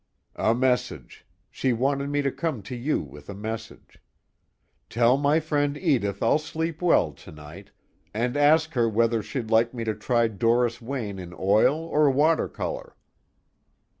"A message. She wanted me to come to you with a message. 'Tell my friend Edith I'll sleep well tonight, and ask her whether she'd like me to try Doris Wayne in oil or watercolor.'"